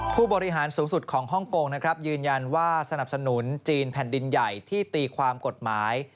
ผู้บริหารสูงสุดของฮ่องกงนะครับยืนยันว่าสนับสนุนจีนแผ่นดินใหญ่ที่ตีความกฎหมาย